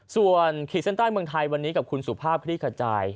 ส่วนคีย์เซ็นต์ไตล์เมืองไทยวันนี้กับคุณสุภาพพิธีกระจาย